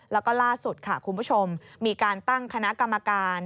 แล้วก็ล่าสุดค่ะคุณผู้ชมมีการตั้งคณะกรรมการ